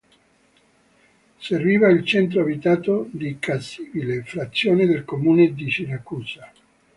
Serviva il centro abitato di Cassibile, frazione del comune di Siracusa.